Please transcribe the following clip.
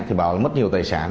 thì bảo là mất nhiều tài sản